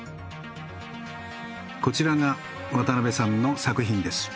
こちらが渡邉さんの作品です。